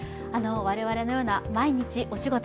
我々のような毎日お仕事